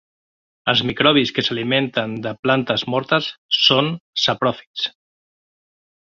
Els microbis que s'alimenten de plantes mortes són sapròfits.